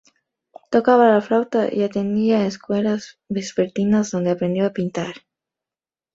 Tocaba la flauta y atendía a escuelas vespertinas donde aprendió a pintar.